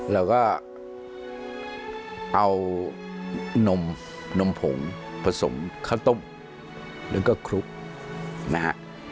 เราก็เอานมผงผสมข้าวต้มแล้วก็คลุกนะฮะ